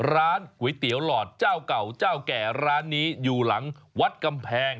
ร้านก๋วยเตี๋ยวหลอดเจ้าเก่าเจ้าแก่ร้านนี้อยู่หลังวัดกำแพง